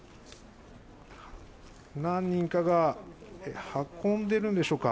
何人かが運んでいるんでしょうか。